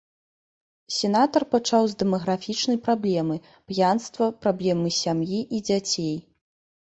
Сенатар пачаў з дэмаграфічнай праблемы, п'янства, праблемы сям'і і дзяцей.